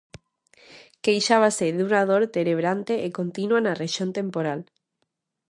Queixábase dunha dor terebrante e continua na rexión temporal.